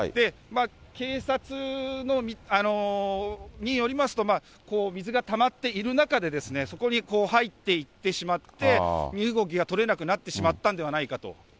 警察によりますと、水がたまっている中で、そこに入っていってしまって、身動きが取れなくなってしまったんではないかと。